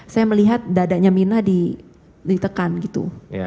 saya melihat dadanya mirna ditekan gitu